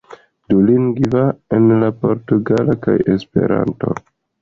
Dulingva, en la portugala kaj Esperanto.